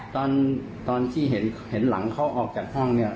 ตอนตอนที่เห็นเห็นหลังเขาออกจากห้องเนี้ย